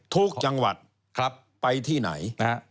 ทุกจังหวัดไปที่ไหน